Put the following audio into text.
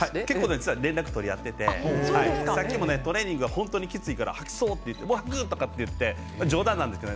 実は連絡取り合っていてさっきもトレーニング本当にきついから吐きそうってもう吐く！とか冗談なんですけど。